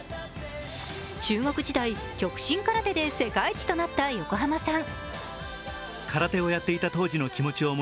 中学時代、極真空手で世界一となった横浜さん。